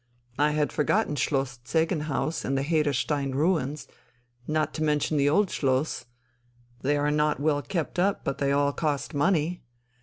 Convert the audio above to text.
I had forgotten Schloss Zegenhaus and the Haderstein ruins ... not to mention the Old Schloss.... They are not well kept up, but they all cost money....